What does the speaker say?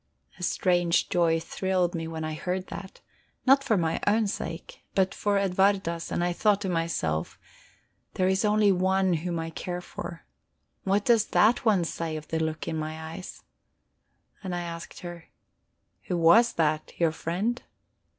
A strange joy thrilled me when I heard that, not for my own sake, but for Edwarda's, and I thought to myself: There is only one whom I care for: what does that one say of the look in my eyes? And I asked her: "Who was that, your friend?"